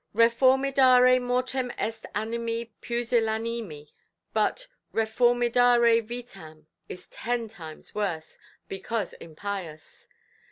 "'Reformidare mortem est animi pusillanimi', but 'reformidare vitam' is ten times worse, because impious.